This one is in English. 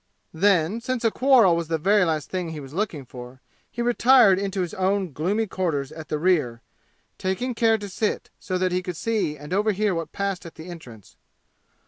Then, since a quarrel was the very last thing he was looking for, he retired into his own gloomy quarters at the rear, taking care to sit so that he could see and overhear what passed at the entrance.